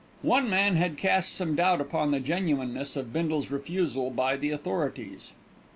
One man had cast some doubt upon the genuineness of Bindle's refusal by the authorities.